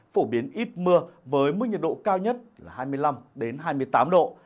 phổ biến ít mưa với mức nhiệt độ cao nhất là hai mươi năm hai mươi tám độ